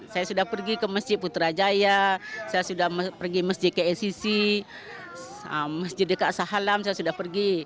saya sudah pergi ke masjid putrajaya saya sudah pergi masjid ke ecc masjid dekat sahalam saya sudah pergi